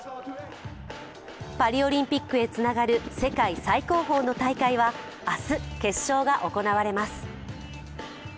パリオリンピックへつながる世界最高峰の大会は明日、決勝が行われます。